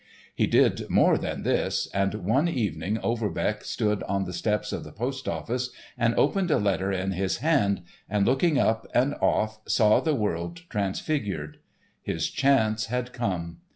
He did more than this, and one evening Overbeck stood on the steps of the post office and opened a letter in his hand, and, looking up and off, saw the world transfigured. His chance had come.